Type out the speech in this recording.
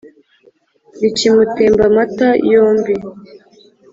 rukimutemba amata yombi,